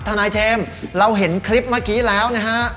ทนายเจมส์เราเห็นคลิปเมื่อกี้แล้วนะฮะ